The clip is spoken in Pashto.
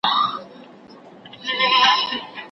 چي په سترګه یې له لیري سوله پلنډه